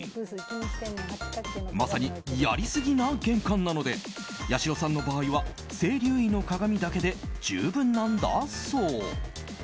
まさにやりすぎな玄関なのでやしろさんの場合は青龍位の鏡だけで充分なんだそう。